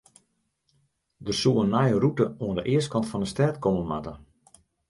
Der soe in nije rûte oan de eastkant fan de stêd komme moatte.